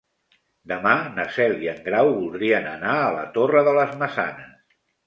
Demà na Cel i en Grau voldrien anar a la Torre de les Maçanes.